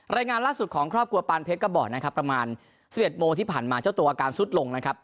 รายงานล่าสุดของครอบครัวปานเพชรก็บอกนะครับประมาณ๑๑โมงที่ผ่านมาเจ้าตัวอาการสุดลงนะครับ